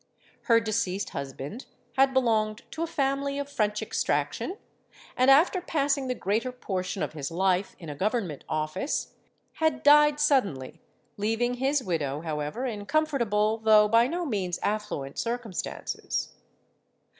Her deceased husband had belonged to a family of French extraction, and after passing the greater portion of his life in a government office, had died suddenly, leaving his widow, however, in comfortable though by no means affluent circumstances.